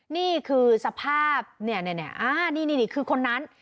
นี่คือสภาพเนี่ยเนี่ยเนี่ยอ่านี่นี่นี่คือคนนั้น